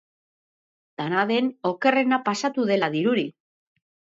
Dena den, okerrena pasatu dela dirudi.